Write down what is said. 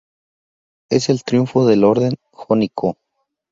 Es el triunfo del orden jónico.